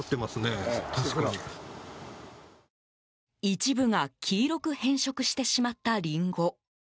一部が黄色く変色してしまったリンゴ。